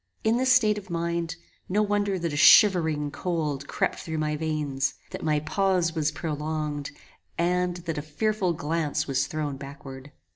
In this state of mind, no wonder that a shivering cold crept through my veins; that my pause was prolonged; and, that a fearful glance was thrown backward.